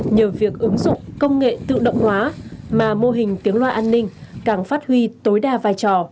nhờ việc ứng dụng công nghệ tự động hóa mà mô hình tiếng loa an ninh càng phát huy tối đa vai trò